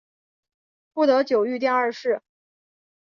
护得久御殿二世。